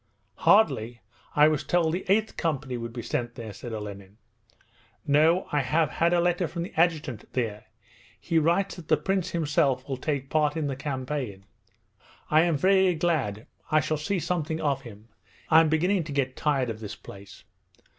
'Hardly. I was told the 8th Company would be sent there,' said Olenin. 'No. I have had a letter from the adjutant there. He writes that the Prince himself will take part in the campaign. I am very glad I shall see something of him. I'm beginning to get tired of this place.'